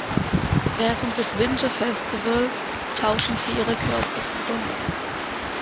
Während des "Winter Festivals" tauschen sie ihre Körper wieder.